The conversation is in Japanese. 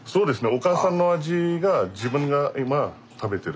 お母さんの味が自分が今食べてる。